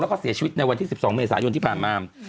แล้วก็เสียชีวิตในวันที่๑๒เมษายนที่ผ่านมา